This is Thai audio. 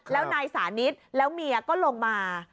แล้วนายสานิทแล้วเมียก็ลงมา